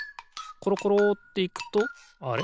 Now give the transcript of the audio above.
ころころっていくとあれ？